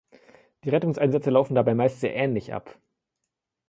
Die Rettungseinsätze laufen dabei meist sehr ähnlich ab.